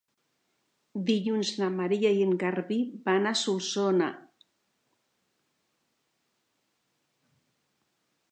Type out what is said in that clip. Dilluns na Maria i en Garbí van a Solsona.